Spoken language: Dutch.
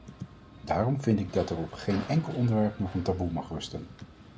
Daarom vind ik dat er op geen enkel onderwerp nog een taboe mag rusten.